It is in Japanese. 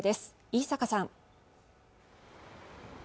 飯坂さん